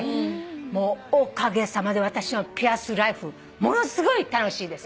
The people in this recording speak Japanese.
もうおかげさまで私のピアスライフものすごい楽しいです。